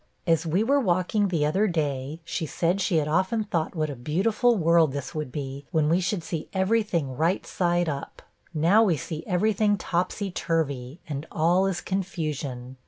'As we were walking the other day, she said she had often thought what a beautiful world this would be, when we should see every thing right side up. Now, we see every thing topsy turvy, and all is confusion.'